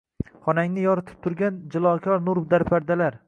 Xonangni yoritib turgan jilokor nur darpardalar.